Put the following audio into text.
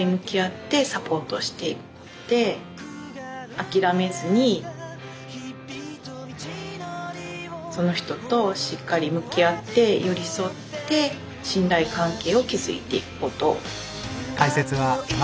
諦めずにその人としっかり向き合って寄り添って信頼関係を築いていくこと。